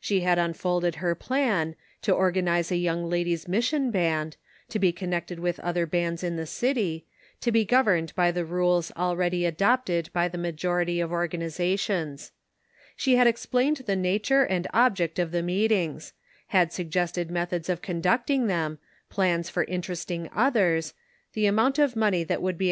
She had unfolded her plan, to organize a Young Ladies' Mission Band, to be connected with other bands in the city, to be governed by the rules already adopted by the majority of organ izations. She had explained the nature and object of the meetings ; had suggested methods of conducting them ; plans for interesting others; the amount of money that would be 235 236 The Pocket Measure.